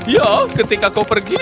ya ketika kau pergi